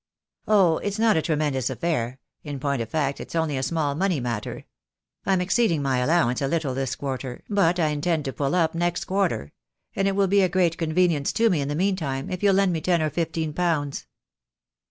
"Oh, it's not a tremendous affair — in point of fact it's only a small money matter. I'm exceeding my allow ance a little this quarter, but I intend to pull up next quarter; and it will be a great convenience to me in the meantime if you'll lend me ten or fifteen pounds."